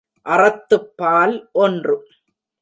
அறத்துப் பால் ஒன்று.